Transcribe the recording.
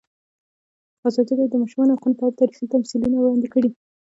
ازادي راډیو د د ماشومانو حقونه په اړه تاریخي تمثیلونه وړاندې کړي.